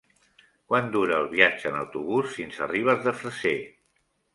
Quant dura el viatge en autobús fins a Ribes de Freser?